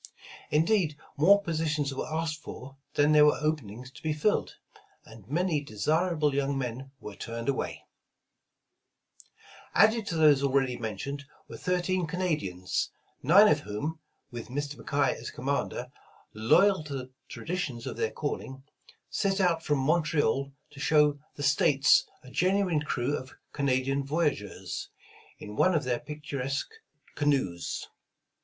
Indeed, more posi tions were asked for, than there were openings to be filled, and many desirable young men were turned away. 158 Voyage of the Tonquin Added to those already mentioned, were thirteen Canadians, nine of whom, with Mr. McKay as com mander, loyal to the traditions of their calling, set out from Montreal to show ''the States" a genuine crew of Canadian voyageurs, in one of their picturesque canoes.